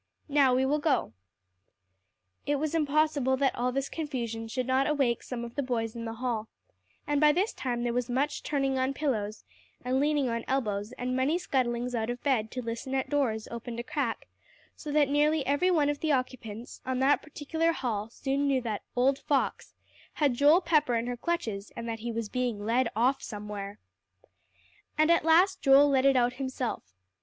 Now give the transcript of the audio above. "Now we will go." It was impossible that all this confusion should not awake some of the boys in the hall; and by this time there was much turning on pillows, and leaning on elbows, and many scuttlings out of bed to listen at doors opened a crack, so that nearly every one of the occupants, on that particular hall soon knew that "old Fox" had Joel Pepper in her clutches, and that he was being led off somewhere. And at last Joel let it out himself.